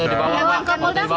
tidak ada ditangkap cuma hanya